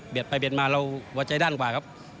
เบียดไปเบียดมาเราหัวใจด้านกว่าครับ